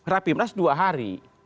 rapimnas dua hari